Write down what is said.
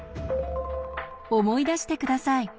思い出して下さい。